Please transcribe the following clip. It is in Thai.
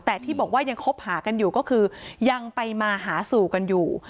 แต่ที่บอกว่ายังคบหากันอยู่ก็คือยังไปมาหาสู่กันอยู่